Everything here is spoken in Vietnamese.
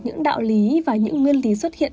những đạo lý và những nguyên lý xuất hiện